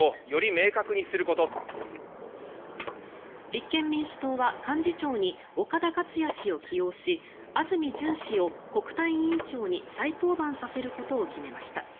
立憲民主党は幹事長に岡田克也氏を起用し安住淳氏を国対委員長に再登板させることを決めました。